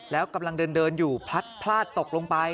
แล้วกำลังเดินอยู่พลัดพลาดตกลงไป